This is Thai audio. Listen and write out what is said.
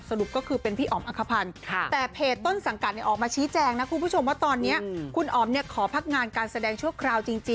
สรุปก็คือเป็นพี่อ๋อมอัคพันธ์